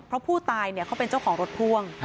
เพราะผู้ตายเขาเป็นเจ้าของรถพ่วง